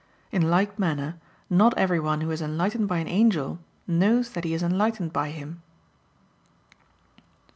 In like manner not everyone who is enlightened by an angel, knows that he is enlightened by him.